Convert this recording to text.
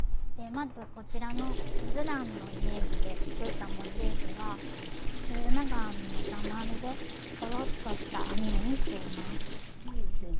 まずこちらのスズランのイメージで作ったモチーフは中長編みの玉編みでころっとした編み目にしています。